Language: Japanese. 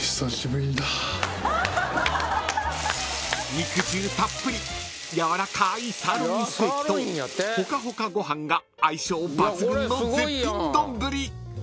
［肉汁たっぷりやわらかいサーロインステーキとほかほかご飯が相性抜群の絶品丼］